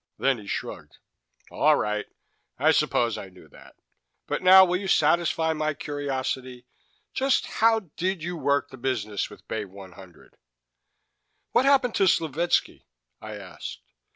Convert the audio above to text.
Then he shrugged. "All right, I suppose I knew that. But now will you satisfy my curiosity? Just how did you work the business with Bay 100?" "What happened to Slovetski?" I asked.